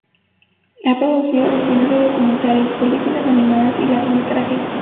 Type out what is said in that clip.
Ha producido decenas de documentales, películas animadas y largometrajes.